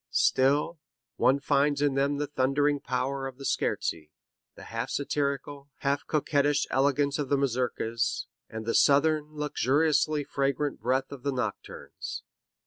Still, one finds in them the thundering power of the Scherzi, the half satirical, half coquettish elegance of the Mazurkas, and the southern, luxuriously fragrant breath of the Nocturnes.